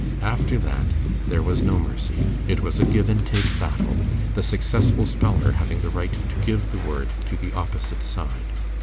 After that there was no mercy. It was a give and take battle, the successful speller having the right to give the word to the opposite side.